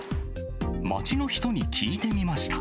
街の人に聞いてみました。